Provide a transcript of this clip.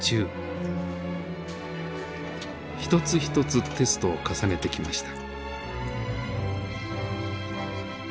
一つ一つテストを重ねてきました。